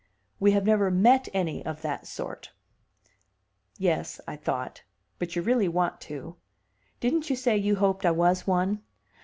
"We have never met any of that sort." ("Yes," I thought, "but you really want to. Didn't you say you hoped I was one?